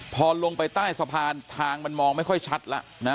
พอลงไปใต้สะพานทางมันมองไม่ค่อยชัดแล้วนะ